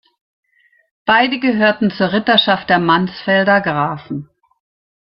Beide gehörten zur Ritterschaft der Mansfelder Grafen.